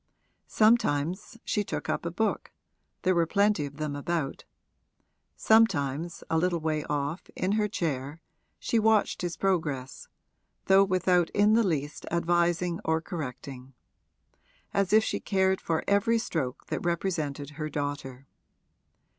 Sometimes she took up a book there were plenty of them about; sometimes, a little way off, in her chair, she watched his progress (though without in the least advising or correcting), as if she cared for every stroke that represented her daughter.